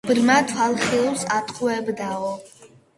ბრმა, თვალხილულს ატყუებდაო